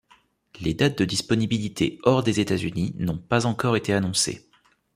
Les dates de disponibilité hors des États-Unis n'ont pas encore été annoncées.